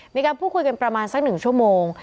มีการพูดคุยกันประมาณสัก๑ชั่วโมง